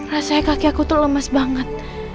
rasanya kaki aku tuh lemas banget